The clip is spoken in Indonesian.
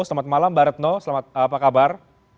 selamat malam mbak retno apa kabar